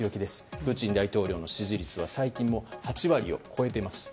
プーチン大統領の支持率は最近も８割を超えています。